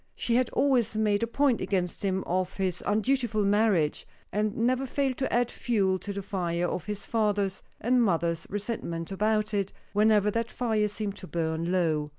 She had always made a point against him of his undutiful marriage, and never failed, to add fuel to the fire of his father's and mother's resentment about it, whenever that fire seemed to burn low.